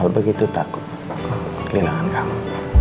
al begitu takut kelilangan kamu